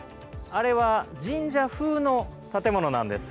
あれは、神社風の建物なんです。